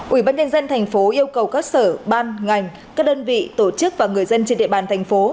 ủy ban nhân dân thành phố yêu cầu các sở ban ngành các đơn vị tổ chức và người dân trên địa bàn thành phố